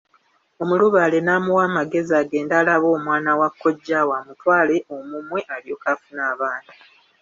Omulubaale n'amuwa amagezi agende alabe omwana wa kojjaawe amutwale omumwe alyoke afune abaana.